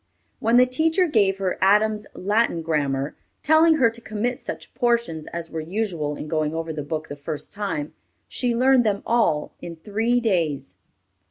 When the teacher gave her Adams' Latin Grammar, telling her to commit such portions as were usual in going over the book the first time, she learned them all in three days!